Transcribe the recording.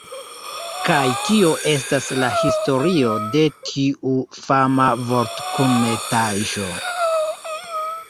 Kaj kio estas la historio de tiu fama vortkunmetaĵo